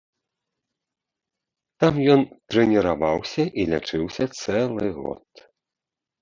Там ён трэніраваўся і лячыўся цэлы год.